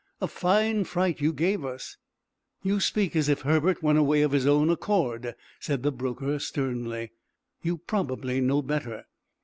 "A fine fright you gave us!" "You speak as if Herbert went away of his own accord," said the broker sternly. "You probably know better."